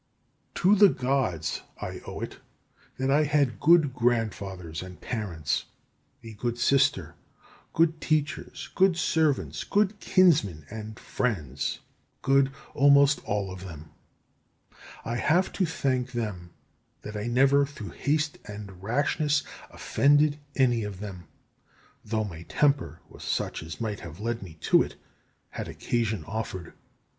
17. To the Gods I owe it that I had good grandfathers and parents, a good sister, good teachers, good servants, good kinsmen, and friends, good almost all of them. I have to thank them that I never through haste and rashness offended any of them; though my temper was such as might have led me to it had occasion offered.